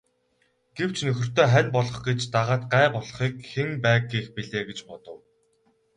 Гэвч нөхөртөө хань болох гэж дагаад гай болохыг хэн байг гэх билээ гэж бодов.